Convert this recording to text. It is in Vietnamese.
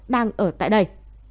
đang ở tại đây